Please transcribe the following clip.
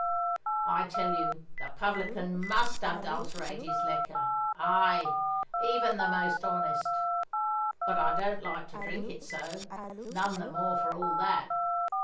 I tell you the publican must adulterate his liquor—aye, even the most honest. But I don't like to drink it so, none the more for all that.